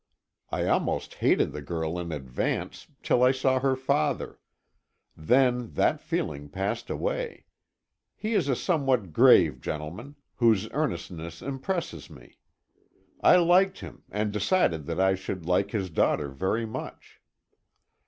I almost hated the girl in advance, till I saw her father. Then that feeling passed away. He is a somewhat grave gentleman, whose earnestness impresses one. I liked him and decided that I should like his daughter very much.